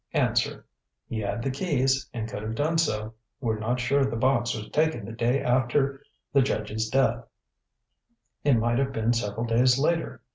"Answer: He had the keys and could have done so. We're not sure the box was taken the day after the judge's death; it might have been several days later.